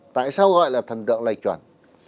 tại sao gọi là thần tượng lệch chuẩn